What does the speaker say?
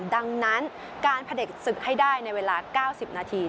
ดังนั้นการพระเด็กศึกให้ได้ในเวลา๙๐นาที